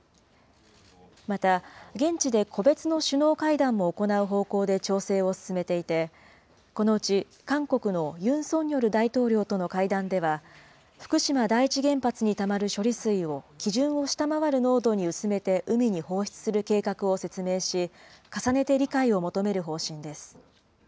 また、現地で個別の首脳会談も行う方向で調整を進めていて、このうち、韓国のユン・ソンニョル大統領との会談では、福島第一原発にたまる処理水を基準を下回る濃度に薄めて、海に放出する計画を説明し、重ねて理解を求める方針です。